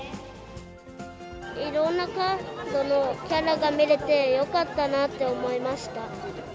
いろんなカードのキャラが見れてよかったなって思いました。